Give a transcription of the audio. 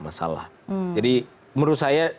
masalah jadi menurut saya